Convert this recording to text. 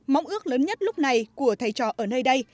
mong ước lớn nhất lúc này của thầy trò ở nơi đây